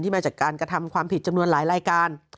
มาจากการกระทำความผิดจำนวนหลายรายการ